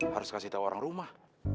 harus kasih tahu orang rumah